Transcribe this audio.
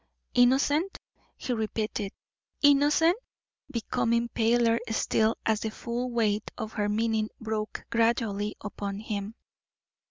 "Innocent," he repeated, "innocent?" becoming paler still as the full weight of her meaning broke gradually upon him.